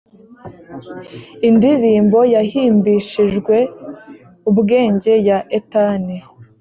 indirimbo yahimbishijwe ubwenge ya etani